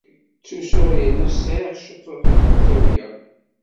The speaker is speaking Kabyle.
Ttusuɣ yerna sɛiɣ ciṭuḥ n tawla.